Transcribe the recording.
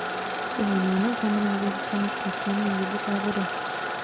Jeho jméno znamená v jazyce místních kmenů "hluboká voda".